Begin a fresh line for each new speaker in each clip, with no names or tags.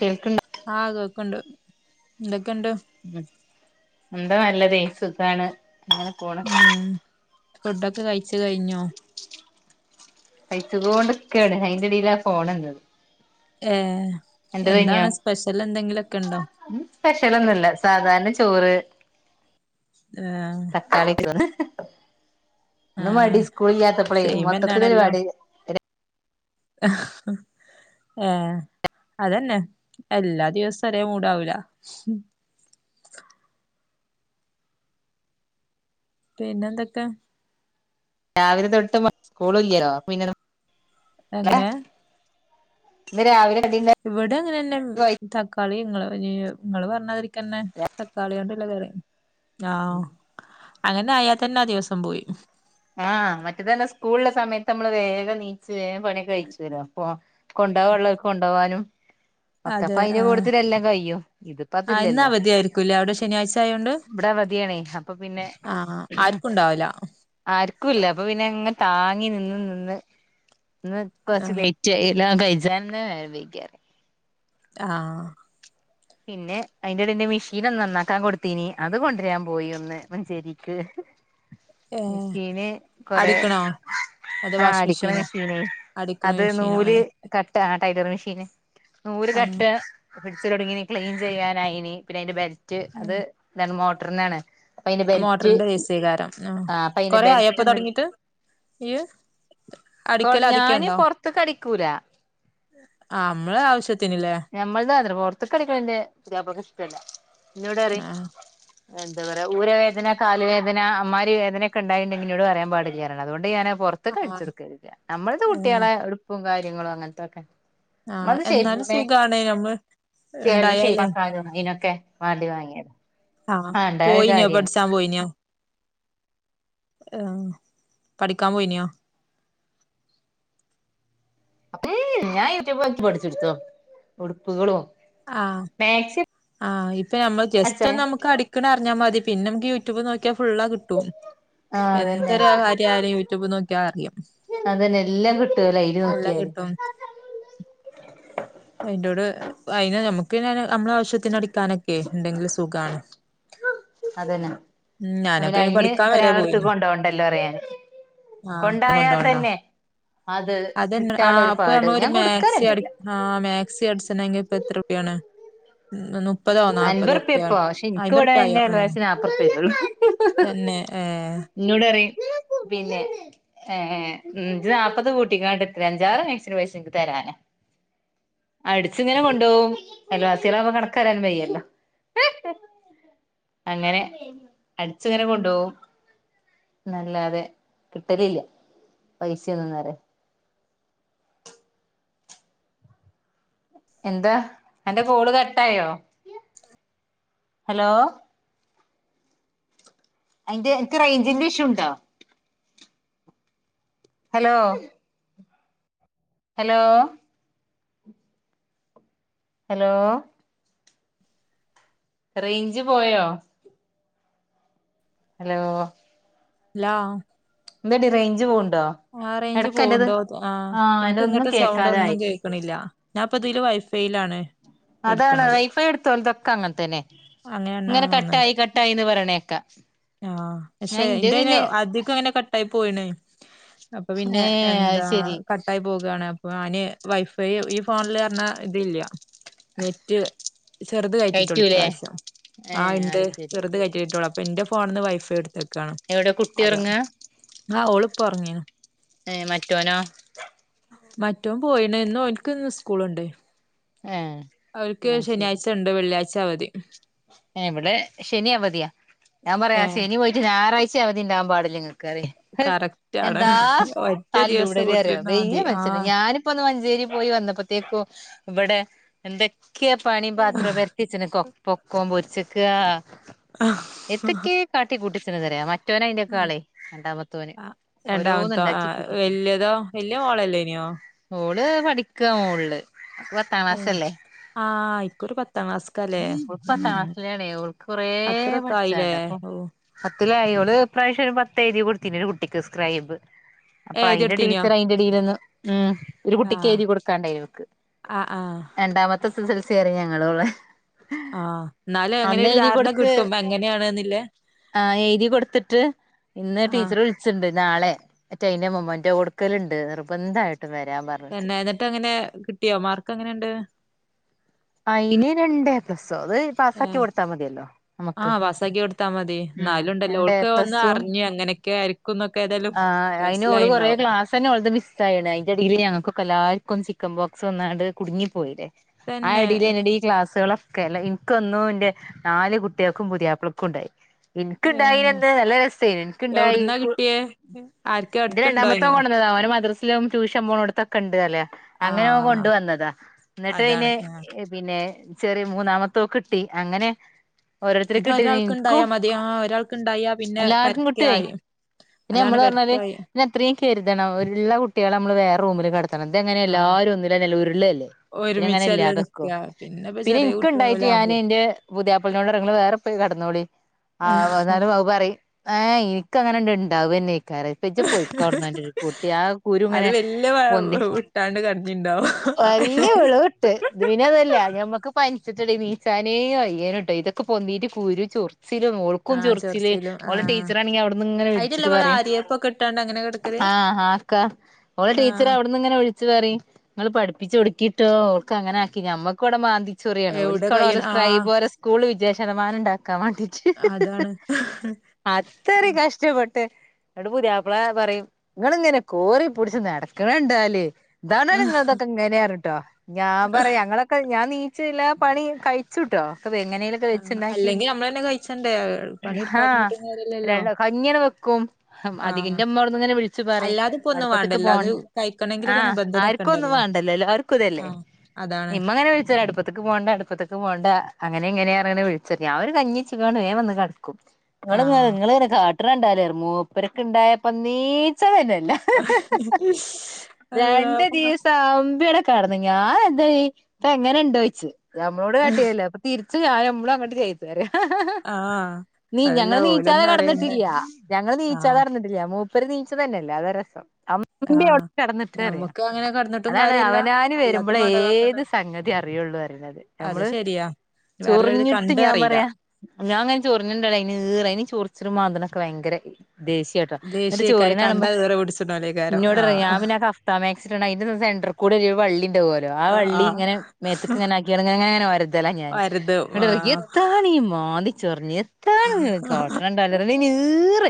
കേൾക്ക്
ആ കേക്ക്ണ്ട് എന്ത ക്കണ്ട്
ഉം എന്താ നല്ലതേ സുഖാണ് അങ്ങനെ പോണ്
ഉം ഫുഡൊക്കെ കഴിച്ച് കഴിഞ്ഞോ
കയ്ച്ച് കൊണ്ട്ക്കാണ് അയിന്റെ ഇടയില ഫോൺന്നത്
ഏ ഉണ്ടോ
സ്പെഷ്യലൊന്നുംല്ല സാധാരണ ചോറ്
ഏഹ്
തക്കാളിക്ക്ന്ന ഇന്ന് മടി
ആഹ്
സ്കൂല്ലാത്തപ്പളേ മൊത്തത്തിരുമടി
ഏ അതെന്നെ എല്ലാ ദിവസവും ഒരേ മൂടാവൂല പിന്നെന്തൊക്കാ
രാവിലെ തൊട്ട് സ്കൂള ഇല്ലല്ലോ പിന്നെ
എങ്ങനെ
ഇന്ന് രാവിലെ കടിണ്ടാ
ഇവിടെ അങ്ങനെന്നെ തക്കാളി ഇങ്ങള് പറഞ്ഞതിരി പിന്നെ തക്കാളിയൊണ്ട്ള്ള കറി ആ അങ്ങനെ ആയാ തന്നെ ആ ദിവസം പോയി
ആ മറ്റേതന്നെ സ്കൂള്ള സമയത്ത് നമ്മള് വേഗ നീച്ച് വേം പണി കഴിച്ചുവര അപ്പ കൊണ്ടവാ ഉള്ളകൊണ്ടോവാനും ഒത്തപ്പ
അതെ
അയിന്റെ
ആഹ്
കൊടുത്തിട്ട എല്ലാം കഴിയും ഇതിപ്പ
ആഹ് ഇന്ന്
അതില്ലല്ലോ
അവധിയായിരിക്കൂല്ലേ അവിടെ ശനിയാഴ്ച ആയോണ്ട്
ഇവിടെ അവധിയണേ അപ്പൊ പിന്നെ
ആഹ് ആർക്കും ഉണ്ടാവില്ല
ആർക്കുംല്ല അപ്പൊ പിന്നെ ങ്ങെ താങ്ങി നിന്ന് നിന്ന് ഒന്ന് കുറച്ച്
ആഹ്
വെയിറ്റ് ചെയ കഴ ജന്നെ നേരം വൈകിയ
ആ
പിന്നെ അയിന്റെ ഇടെ ഇന്റെ മെഷീൻ ഒന്ന് നന്നാക്കാൻ കൊടുത്തീനി അത് കൊണ്ടുരാൻ പോയി ഒന്ന് മഞ്ചേരിക്ക്
ഏഹ്
മെഷീന് കൊറേ
അടിക്കണോ അതോ
ആ
വാഷിംഗ്
അടിക്കണ
മെഷീനോ
മെഷീന്
അടിക്കണ
അത്
മെഷീനോ
നൂല്
ഏഹ്
കട്ട ടൈലർ മഷീൻ നൂല്
ആഹ്
കെട്ട പ്പൊ പിടിച്ചു തൊടങ്ങീന് ക്ലീൻ ചെയ്യാനായിനി പിന്നെ അയിന്റെ ബെൽറ്റ്‌ റ്റ് അത് നെൻമോ ട്രിനാണ്
ആ മോട്രിന്റെ ഏ സി ക്കാരം ആ
അപ്പൊ അയിന്റെ
കൊറേ ആയോ പ്പൊ
ബെൽറ്റ് ഒന്ന്
തൊടങ്ങീട്ട് ഏ
കൊ
അടിക്കല്
ഞാന്
ആദ്യൊക്കെയൊണ്ടോ
പൊറത്ത്ക്ക് അടിക്കൂല
ആ മ്മളെ ആവശ്യത്തിന്
ഞമ്മൾതാണ് ത് പോൽത്ത കളികളിന്റെ പുതിയാപ്ലക്കിഷ്ടല്ല ന്നോടറയും
ആഹ്
ആ എന്താ പറയാ ഊര വേദന കാല് വേദന അമ്മാരി വേദനൊക്കെ ണ്ടായുണ്ടെങ്കിൽ ന്നോട് പറയാൻ പാടില്ല പറയുണ്‌ അതോണ്ട് ഞാന് പൊറത്ത്ക്ക്
ആഹ്
അടിച്ചൊട്ക്കലില്ല നമ്മൾത് കുട്ട്യോളെ ഉടുപ്പും കാര്യോം റ്റിങ്ങള് അങ്ങൻത്തൊക്കെ
ആ എന്നാല് സുഖാ
ചെലത് ഷേപ്പ് ആക്കാന് അയ്നൊക്കെ വാണ്ടി വാങ്ങിയതാ
ആ
ആഹ് ഇണ്ടായ ഒരു
പോയിനോ
കാര്യാണ്
വേഡ്ചാ പോയിന്നോ ആ പഠിക്കാൻ പോയ്നോ
അപ്പൊ ഈ ഹ് ഞാൻ യൂട്യൂബോക്കി പഠിച്ച്ട്ത്തു ഉടുപ്പുകളും മാക്സിയൊ
ആയി പ്പൊ ഞമ്മള് ജസ്റ്റൊന്നമ്മക്ക് അടിക്ക്ണ അറിഞ്ഞ മതി പിന്നെങ്കി യൂ ടുബ് നോക്കിയ ഫുള്ള് കിട്ടും
ആ അതന്നെ
എന്തൊരു കാര്യായാലും യൂട്യൂബ് നോക്കിയാ അറിയും
അതെന്നെല്ലാം കിട്ടോലോ അയില്
എല്ലാം
നോക്കിയാല്
കിട്ടും പ്പൊ അയ്ന് നമുക്കിനന് അമ്മളാവശ്യത്തിന് അടിക്കാനൊക്കെ ണ്ടങ്ങി സുഖാണ്
അതന്നെ ന്ന
ഞാനൊക്കെ
പിന്നെ
അയ്ന്
അയിന്
പഠിക്കാൻ വരെ പോയി
ഒരാളെടുത്ത് കൊണ്ടോണ്ടല്ലോ അറിയാൻ
ആ
കൊണ്ടായാ
കൊണ്ടൊണ്ട
തന്നെ അത്
അതെന് ആ
കിട്ടാള്ള ഒരു
അപ്പൊ
പാട്
ഞമ്മളൊരു
ഞാൻ
മാക്സി അടി
കൊടുക്കാറന്നെല്ല
ആ മാക് സി അടിച്ചണങ്കി പ്പൊ എത്ര ഉർപ്യാണ് നുപ്
അയ്മ്പർപ്യപ്പൊ ക്ഷേ ഇൻക് വ്ടെ
ഏഹ്
ഏകദേശം നാപ്പർപ്യള്ളു
തന്നെ ഏഹ്
ന്നോട് പറയും പിന്നെ എ ഏ ജ്ജ് നാപ്പത് കൂട്ടിക്കോ അനക്കെത്രെ അഞ്ചാറു മാക്സിടെ പൈസ ഇൻക് തരാന അടിച്ചിങ്ങനെ കൊണ്ടോവും എല്ലാത്തിനാവുമ്പോ കണക്ക് തരാൻ വയ്യല്ലോ അങ്ങനെ അടിച്ചിങ്ങനെ കൊണ്ടോവും ന്നല്ലാതെ കിട്ടലില്ല പൈസൊന്നും നേരെ എന്താ അന്റെ കോള് കട്ടായോ ഹലോ അയിന്റെ അനക് റേഞ്ചിന്റെ ഇഷ്യൂ ണ്ടോ ഹലോ ഹലോ ഹലോ റെയ്ഞ്ച് പോയോ ഹലോ
ലോ
ന്തെടീ റെയ്ഞ്ച് പോണ്
ആ റേഞ്ച് പോക്ണ്ടോ ആ
ആഹ്
ഇനിക്ക്
അന്റതൊന്നും
ഇങ്ങട്ട്
കേക്കാതായി
സൗണ്ടൊന്നും കേക്ക്ണില്ല ഞാപ്പിതീല് വൈഫൈലാണ്
അതാണ് വൈഫൈ ഇട്ത്തോല തൊക്കങ്ങനെ തന്നെ ഇങ്ങനെ കട്ടായി കട്ടായി ന്ന് പറേണേ ക്ക
ആ പക്ഷേ ഇൻ്റയ്ന് അധികോം അങ്ങനെ കട്ടായി പോയ്ണെയ് അപ്പോ പിന്നെ
ഏഹ് അത്
എന്താ
ശരി
കട്ടായി പോകാണ് അപ്പൊ ആനി വൈഫൈ ഈ ഫോണില് റഞ്ഞാ ഇതില്ല നെറ്റ് ചെറ്ത് കയറ്റീട്ടൊള്ളു
കയറ്റൂലേ
ഇപ്രാവിശ്യം ആ
ഏഹ്
ഇണ്ട്
അത് ശരി
ചെറ്ത് കയറ്റീട്ടൊള്ളു അപ്പൊൻ്റെ ഫോ ഫോണ്ന്ന് വൈഫൈ ഇട്‌ത്തക്കാ ക്കാണ്
എവിടെ കുട്ടി
അതാണ്
ഉറങ്ങാ
ആ ഓള് പ്പൊ പ്പൊറങ്ങീണ്
ഏ മറ്റോനോ
മറ്റോൻ പോയിണ് ന്ന് ഓൽക്ക് ന്ന് സ്കൂള്ണ്ടെയ്
ഏഹ്
ഓര്ക്ക് ശെനിയാഴ്ചണ്ട് വെള്ളിയാഴ്ച ച അവധി
ഇവടെ ശെനി അവധിയാ ഞാൻ പറയാ ആ
ഏഹ്
ശനി പോയിറ്റ് ഞായറ ഴ്ചിം അവധിണ്ടാകാൻ പാടില്ലങ്ങക്ക് ക്ക് പറയെ ഹഅ്
കറക്റ്റ് ആണ്
എന്താ
ഒറ്റ ദിവസം
തല്ലൂടല് അറിയോ
വീട്ടിലിരുന്നാ
വെയ്യ
മതി
മന്ഷന് ഞാന് പ്പൊന്ന് മഞ്ചേ ഞ്ചേരി പോയി വന്നപ്പത്തേക്കും വടെ എന്തേ ക്ക്യാ പണിം പാത്രോം പെരത്തിവെച്ച് ണ് ക്കോ പൊക്കോം പൊരിച്ചക്കാ എത്തക്കേ
ആഹ്
കാട്ടിക്കൂട്ടിക്ക് [unintelligible] മറ്റോനാ അയിൻ്റെ ക്കെ ആള് രണ്ടാമത്തോന്
ആഹ്
ഓരോന്ന്
രണ്ടാമത്തോ
ണ്ടാക്കി
ആഹ്
കൂട്ടിവെച്ച്ക്ക്ണ്
വല്യതോ വല്യ മോളല്ലേനിയോ
ഓള് പഠിക്കാ മോള് [unintelligible]
ഏ ആ ഇക്കുറി പത്താം ക്ലാസ്ക്കാ ലേ
ഓള് പത്താം ക്ലാസിലാണേയ് ഓക്ക് കൊറേ
ആയില്ലേ
പഠിച്ചാണ്ട് അപ്പൊ
ഓഹ്
പത്തില് ആയി ഓള് ഇപ്രാവശ്യം ഒര് പത്തെഴുതി കൊടുത്തീനി ഒര് കുട്ടിക്ക് സ്‌ക്രൈബ് അപ്പയിൻ്റെ
എഴുതിയെടുത്തീനിയോ
ടീച്ചറ് അയിൻ്റെടീലൊന്ന് ഊം ഒരു
ആഹ്
കുട്ടിക്കെയ്തി കൊടുക്കാണ്ടയ്നി ഓക്ക്
ആഹ് ആഹ്
രണ്ടാമത്തെ സ് [unintelligible] സറി ഞങ്ങളോള്ളെ.
ആഹ് എന്നാലും അങ്ങനെ
അന്ന്
ഒരു
എഴുതി
ധാരണ
കൊട്ത്ത്,
കിട്ടും എങ്ങനെയാണ്ന്നില്ലേ
ആ എഴുതി കൊട്ത്ത്ട്ട് ഇന്ന്
ആഹ്
ടീച്ചർ വിള്ച്ച്ണ്ട് നാളെ മറ്റേ അയിൻ്റെ മൊമൻ്റൊ കൊടുക്കല്ണ്ട് നിർബന്ധാ
പിന്നെ എന്നിട്ട് എങ്ങനെ കിട്ടിയോ മാർക്ക് എങ്ങനെണ്ട്
അയിന് രണ്ട് എപ്ലസ് [unintelligible] പാസാക്കി
ഏഹ്
കൊട്ത്താ മതിയല്ലോ നമുക്ക്
തി,
ഉം
ന്നാലും ഉണ്ടല്ലോ ഓൾക്ക് ഒന്ന് അറ്ഞ്ഞ് അങ്ങനെ [unintelligible]
ആ അയിന് ഓള് കെറേ ക്ലാസെന്നെ ഓൾത് മിസ്സായിന്ന് അയിൻ്റെടീല് ഞങ്ങൾ കൊക്കെല്ലാ ക്കും ചിക്കൻ ബോക്സ് വന്നാണ്ട് കുടുങ്ങി പോയില്ലേ. ആ
തന്നെ
[unintelligible] ഈ ക്ലാസ്സുകളും കെല്ല ഇൻക്കൊന്നും ഇൻ്റെ നാല് കുട്ടികൾക്കും പുതിയാപ്പൾക്കും ഉണ്ടായി.
ഏഹ്
ഇൻക്ക്ണ്ടായിനന്ന് നല്ല രസെയിന്ന് ഇൻക്ണ്ടായി [unintelligible] കു
ഹെ ആര്ക്കെ അട്ത്ത്ണ്ടായിനോ
[unintelligible] ട്യൂഷൻ പോണടുത്തൊക്കെ ഇണ്ട് ആല അങ്ങനെ ഓൻ
ആഹ്
കൊണ്ട് വന്നതാ ഇന്നിട്ട്
അതാണ്
അയ്ന്
ആഹ്
പിന്നെ ചെറിയ മൂന്നാമത്തോകിട്ടി അങ്ങനെ
അത്
ഓരോരുത്തര്ക്ക് കിട്ടി ഇൻക്കും
ഒരാൾക്ക്ണ്ടായാ മതി ആ ഒരാൾക്ക്ണ്ടായാ പിന്നെ
എല്ലാർക്കും കിട്ടുവേ
പരക്കായി
പിന്നെ
അതാണ്
നമ്മള് പറഞ്ഞാല്
പരക്കായി
പിന്നെ അത്രേം കരുതണം ഒള്ള കുട്ടികളെ നമ്മ വേറെറൂമില് കെട [unintelligible]
ആഹ്
എല്ലാരും ഒന്നില ന്നെല്ലെ ഉരുളല്ലേ പിന്നെ എങ്ങനെ ഇല്ലാതി
ഒരുമിച്ചല്ലേ
ക്കും അതൊക്കോ
നിക്കാ പിന്നെപ്പ
പിന്നെ
ചെറിയ
ഇൻക്ക് ഇണ്ടായിട്ട് ഞാന്
കുട്ടിയോലാവുമ്പേ
ഇന്റെ പുതിയാപ്പൾനോട് [unintelligible] ഇങ്ങള് വേറെപ്പൊയ് കെടന്നോളി ആ എന്നാലും ഐ പറ്യും ഏ ഇൻ ക്ക് അങ്ങന ഉണ്ട താവുന്നെ [unintelligible] കരയിപ്പിച്ച് പൊയിക്കവടന്നന്റെ ഒരു കൂട്ടി ആ കുരു ഇങ്ങനെ
അത് വല്യ
പൊന്തി
വിട്ടാണ്ട് കടഞ്ഞിണ്ടാവും
വലിയ ഉളവട്ട് ഇത് പിന്നെ അങ്ങ നല്ലേ ഞമ്മക്ക് പൻ ഇച്ചിട്ട് നീച്ചാനേ വയ്യേന്ട്ടോ ഇതൊക്കെ പൊന്തീട്ട് കൂരു ച്ചൊറി [unintelligible] ശെരിയാണ് ഓൾക്കും
ആഹ്
ചൊറിച്ചില്
ചൊറിച്ചിലും
ഓള
ആഹ്
ടീച്ചറാണെങ്കിൽ അവിടുന്ന് ഇങ്ങനെ വിളി
അയിനല്ലേ
[unintelligible]
നമ്മള്
പറിം
ആര്യപ്പൊക്കെ ഇട്ടാണ്ട് അങ്ങനെ കെടക്കല്
ആ ആര്കാ ഒളെ
ആഹ്
ടീച്ചറവിട്ന്ന്ങ്ങനെ വിൾച്ച് പറിം പഠിപ്പിച്ചൊടുക്കിട്ടോ ഓൾക്ക് അങ്ങനെ ആക്കി ഞമ്മക്ക്വടെ മാന്തി
എവിടെ കയ്യ്ണ് ആഹ്
[unintelligible] ശതമാനണ്ടാ [unintelligible] മാട്ടിച്ച്
അതാണ്
അത്തറി കഷ്ടപ്പെട്ട [unintelligible] പുതിയാപ്പള പറയും ഇങ്ങള്ങ്ങനെ കോറിപ്പുടിച്ച് നടക്കണണ്ടാല് ഇതാണ്
ആഹ്
നിങ്ങൾതൊക്കെ ഇങ്ങനെ ട്ട ഞാൻ പറയാ ഞങ്ങളൊക്കെ ഞാൻ നീ ച്ചല്ല പണി കഴിച്ചുട്ടോ. ഒക്കെ എങ്ങനെലൊക്കെ
ആഹ്
വെച്ചുണ്ടാക്കി
അല്ലെങ്കിൽ നമ്മള തന്നെ കഴിച്ചണ്ടേ പണി എടുക്കാതിരുന്നിട്ടും കാര്യല്ലല്ലോ. ആഹ്
അധികിന്റെ ഉമ്മ അവിടുന്ന് ഇങ്ങനെ വിളിച്ചു പറ
അല്ലാതെ ഇപ്പോ ഒന്നും
അടുപ്പത്തേക്ക്
വേണ്ടല്ലോ
പോക
അത് കഴിക്കണെങ്കിലൊക്കെ
ആഹ്
നിബന്ധനൊക്കെ
ആർക്കും ഒന്നും
ഉണ്ടല്ലോ
വേണ്ടല്ലോ എല്ലാർക്കും ഇതല്ലേ
ആഹ് അതാണ്
ഇമ്മ അങ്ങനെ വിളിച്ചാല അടുപ്പത്തേക്ക് പോവണ്ട അടുപ്പത്തേക്ക് പോണ്ട. അങ്ങനെ എങ്ങനെയ അറിയണ വിളിച്ച് ഞാൻ ഒരു കഞ്ഞി വെച്ചുകൊണ്ട് വേം വന്ന് കെട
ആഹ്
[unintelligible] രണ്ടായിരം മൂപ്പരൊക്കെ ഉണ്ടായപ്പ നീച്ച തന്നെ.
അള്ളാ
രണ്ട് ദിവസം ആ കടന്ന ഞാൻ എന്ത ഇപ്പ എങ്ങനെ ഉണ്ടയിച്ചു. നമ്മളോട് കട്ടിയല്ലേ അപ്പൊ തി [unintelligible]
ആഹ്
നീ
അതല്ല
ഞങ്ങൾ നീച്ചാതെ
ഓലൊന്നും അറിയണ്ടേ
കടന്നിട്ടില്ലയാ. ഞങ്ങള് നീച്ചാത
ആഹ്
അറിഞ്ഞിട്ടില്ല. മൂപ്പരു നീചം തന്നെയല്ലേ അത രസം. അമ്മ
ആഹ്
അവിടെ കടന്നിട്ടേ അറിയാം
ഞമ്മക്ക് അങ്ങനെ കെടന്നിട്ടും
അതാണ്
കാര്യല്ല
അവനാന് വരുമ്പോള
അല്ലാത്തും വേണ്ടതാക്കണ്ട
ഏത് സംഗതി അറിയുള്ളു റന്നത് അത് നമ്മള്
വേറെല്ലോരത്
ചൊറിഞ്ഞിട്ട്
കണ്ട്
ഞാൻ
അറിയില്ല
പറയാ ഞാൻ അങ്ങനെ ചൊറിഞ്ഞിണ്ടല്ലോ [unintelligible] ച്ച്ലും മാന്തലക്ക ഭയങ്കര ദേഷീയ ട്ടോ ന്നിട്ട്
ദേഷ്യേക്കാരം കണ്ടാ
ചൊറിയ്ന്നാണ്പം
ഈറ പിടിച്ച്ണോലേക്കാരം
ഇന്നോട്റയും
ആഹ്
യാവിന്നെകഫ്താമാക്സീട്ടോണ്ട് അയിന്റ സെന്ററിക്കൂടൊരു വള്ളീണ്ടാവുല്ലൊ
ആഹ്
ആവള്ളീങ്ങനെ മേത്ത്ക്കിങ്ങനെ ആക്കിയാക്കി [unintelligible] [unintelligible] ഇതല്ല ഞാന്
കരുതും
ന്നോടൊയ്കും
ആഹ്
എത്താണി മാന്തി ചൊറിഞ്ഞ [unintelligible]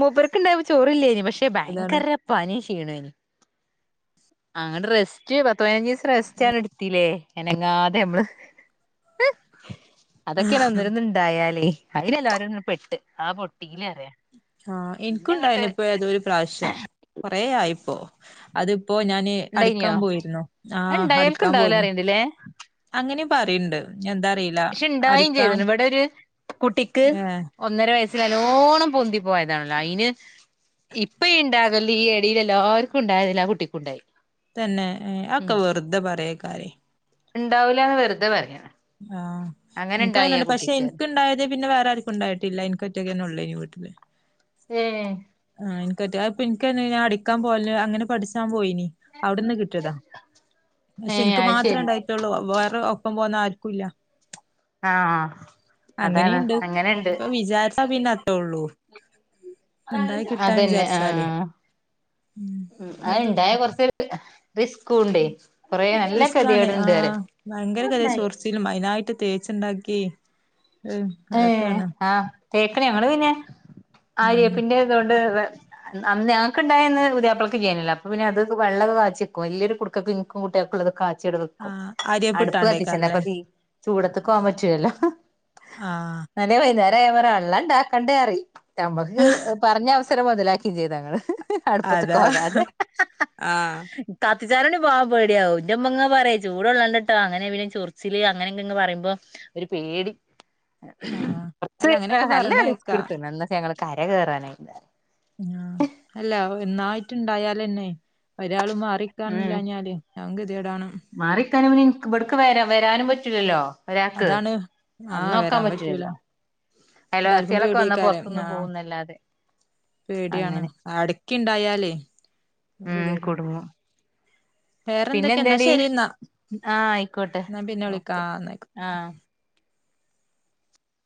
മൂപ്പർക്ക് ഉണ്ടായ്പ ചോറ്ല്ലേനി പക്ഷെ
അതാണ്
ഭയങ്കരപ്പനി അങ്ങനെ റെസ്റ്റ് പത്തുപതിനഞ്ചിസം റെസ്റ്റ് എടുത്തില്ലേ? എനങ്ങാതെ എമ്മള് അതൊക്കെന ഒന്നിരുന്നുണ്ടായാലേ. അയിനല്ലോ ആരന്ന് പെട്ട് അത് പൊട്ട് പിന്ന
ആഹ് എനിക്കുണ്ടായിന ഇപ്പോ ഏതോ ഒരു പ്രാവശ്യം കൊറെ ആയിപ്പോ. അത് അപ്പൊ ഞാന്
ഇണ്ടായിനിയോ
അടിക്കാൻ പോയിര്ന്നു.
അത്
ആഹ്
ഇണ്ടായോൽക്ക്
അടിക്കാൻ
ഇണ്ടാവൂല
പോയിന്നു. പറീണ്ട്
പക്ഷേ ഇണ്ടായീ ചെയ്തീണ് ഇവടെര് കുട്ടിക്ക്
ഏഹ്
ഒന്നരവയസ് സിലല്ലോണം പൊന്തി പോയതാണല്ലോ. ഐന് ഇപ്പേ ഈ ഇണ്ടാകലില് ഈ എടീല് എല്ലാർക്കും ഇണ്ടായതില് ആ കുട്ടിക്കുണ്ടായി.
തന്നെ ഏ അക്കെ വെർതെ പരെയ്ക്കാരേ
ണ്ടാവൂലാന്ന് വെർതെ പറയാണ്
ആഹ്
അങ്ങനെ ഇണ്ടായി ആ
ഇൻകങ്ങനല്ല പക്ഷെ
കുട്ടിക്ക്
ഇൻക്കിണ്ടായത് പിന്നെ വേറെ ആര്ക്കും ഉണ്ടായിട്ടില്ല ഇൻക്ക് ഒറ്റക്കെന്നെയ്ന്നു വീട്ടില്
ഏ
ഇൻക്കേറ്റെ ഞാൻ അടിക്കാൻപോവല് അങ്ങനെ പഠിച്ചാൻ പോയീനി അവിട്ന്ന് കിട്ട്യേതാ പക്ഷെ
ഏഹ്
ഇനിക്ക്
അത്
മാത്രം
ശരി
ഇണ്ടായിറ്റൊള്ളു വേറെ ഒപ്പം പോന്ന ആര് ക്കൂല
ആഹ് അതാണ്
അങ്ങനീണ്ട്.
അങ്ങനെണ്ട്
ഇപ്പ വിചാരിച്ചാ പിന്നതേള്ളു.
അതെന്നെ
വിചാരിച്ചാലേ
ആഹ്
ഉം ഒരു
അത്ണ്ടായ കൊർച്ച് റിസ്ക്കൂണ്ടേയ് കൊറേ നല്ല
റിസ്കാണ്
കെത്യേട്ണ്ട്
ആഹ്
പറയാ
തേച്ച്ണ്ടാക്കി
ഏ ആഹ് തേക്കില ങ്ങള് പിന്നെ
ഉം
ആര്യവേപ്പിന്റെ ഇതോണ്ട് [inaudible] അന്ന് ഞങ്ങക്ക്ണ്ടായന്ന് പുത്യാപ്ലക്ക് ഇല്ലായിന്നല്ലോ അപ്പ പിന്നെ അത് വള്ളൊക്കെ കാച്യേക്കും വല്ല്യേരു കുട്ക്കക്ക് ഇൻക്കും കുട്ട്യാക്കുള്ളതും കാ വടെ വെക്കും
ആഹ്
അടുപ്പ് കത്തിച്ചണ്ടേ അപ്പ
ആര്യപ്പിട്ടാണ്ടേക്കാരല്ലേ
തീ ചൂടത്ക്ക് പോകാൻ പറ്റൂലല്ലോ
ആഹ്
[unintelligible] വള്ളണ്ടാക്കണ്ടേ പറയും ഞമ്മക്ക് പറഞ് [unintelligible] മൊതലാക്കിം ചെയ്തങ്ങള് അട്പത്ത്ക്ക്
അതാ
പോകാതെ
ആഹ്
[unintelligible] പോകാൻ പേഡ്യാ ന്റമ്മങ്ങനെ പറയും ചൂടോള്ളണ്ടട്ടോ അങ്ങനെ പിന്നെ ചൊറിച്ചില് അങ്ങനെ ങ്ങനെ പറയുമ്പോ ഒര് പേടി
ആഹ്
ഒച്ച
അല്ല
വെയ്ക്കാ
അങ്ങനെയൊക്കെ
നല്ല
പറഞ്ഞേക്കാ
റിസ്ക്ട് ത്ത്ക്ണ് [unintelligible] അര കേറാനായ [inaudible]
ണ്ടായാലെന്നെ [unintelligible]
ഉം
മറിക്കാനില്ലാഞ്ഞാല് ഞാംകെത്യേടാണം
[unintelligible] ഇൻക് ഇവ്ട്ക്ക് വെര വെരാനും പറ്റൂലല്ലോ ഒരാക്ക്
അതാണ് ആഹ്
വന്നോക്കാൻ
വരാൻ പറ്റൂല
പറ്റൂലല്ലോ
എല്ലാർക്കും
അയൽവാസ്യോളൊക്കെ വന്നാൽ പൊർത്ത്ന്ന് പോവുന്നല്ലാതെ.
പേഡ്യാണ് അടക്കിണ്ടായാല്
ഉം
[unintelligible] [inaudible]
കുടുങ്ങും പിന്നെ
വേറെന്തൊക്കെയാ എന്നാ
എന്തടി
ശരീന്നാ
ആഹ് ആയിക്കോട്ടെ
എന്നാ പിന്നെ വിളിക്കാ
ഓക്കെ
അന്നായിക്കോട്ടെ
ആഹ്